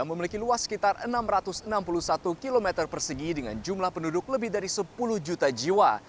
yang memiliki luas sekitar enam ratus enam puluh satu km persegi dengan jumlah penduduk lebih dari sepuluh juta jiwa